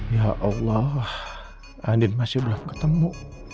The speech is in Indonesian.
ya allah lah andin masih belum ketemu